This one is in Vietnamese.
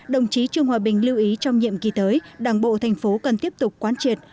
đồng chí trương hòa bình lưu ý trong nhiệm kỳ tới đảng bộ thành phố cần tiếp tục quán triệt